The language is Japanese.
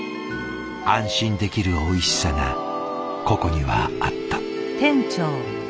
安心できるおいしさがここにはあった。